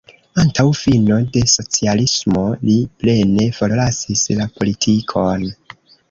Antaŭ fino de socialismo li plene forlasis la politikon.